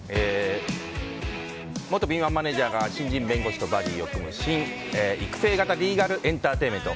元敏腕マネジャーが新人弁護士と手を組む育成型リーガルエンターテインメント。